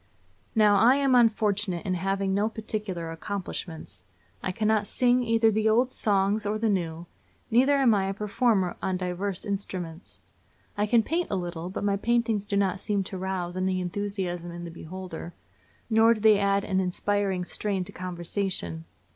Now, I am unfortunate in having no particular accomplishments. I cannot sing either the old songs or the new; neither am I a performer on divers instruments. I can paint a little, but my paintings do not seem to rouse any enthusiasm in the beholder, nor do they add an inspiring strain to conversation.